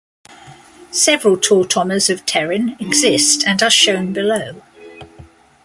Several tautomers of pterin exist and are shown below.